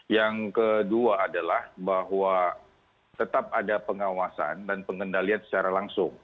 yang kedua adalah bahwa tetap ada pengawasan dan pengendalian secara langsung